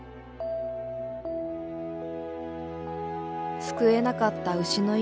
救えなかった牛の命。